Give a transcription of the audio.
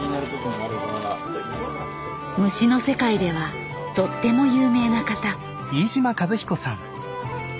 虫の世界ではとっても有名な方。